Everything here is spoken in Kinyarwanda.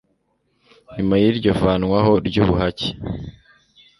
nyuma y'iryo vanwaho ry'ubuhake